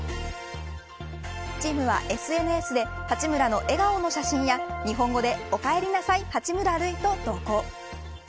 チームはＳＮＳで八村の笑顔の写真や日本語でおかえりなさい、八村塁と投稿。